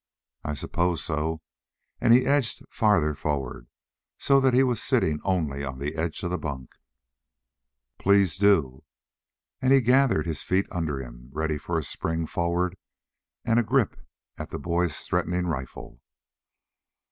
"I suppose so." And he edged farther forward so that he was sitting only on the edge of the bunk. "Please do." And he gathered his feet under him, ready for a spring forward and a grip at the boy's threatening rifle.